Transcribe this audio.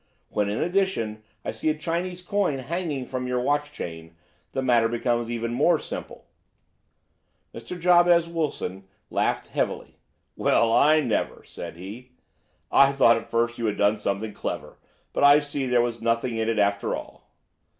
When, in addition, I see a Chinese coin hanging from your watch chain, the matter becomes even more simple." Mr. Jabez Wilson laughed heavily. "Well, I never!" said he. "I thought at first that you had done something clever, but I see that there was nothing in it after all."